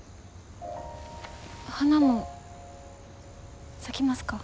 花も咲きますか？